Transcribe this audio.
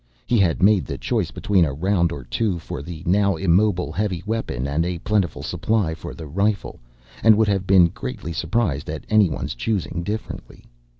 He had made the choice between a round or two for the now immobile heavy weapon and a plentiful supply for the rifle, and would have been greatly surprised at anyone's choosing differently.